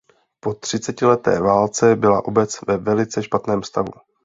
Po třicetileté válce byla obec ve velice špatném stavu.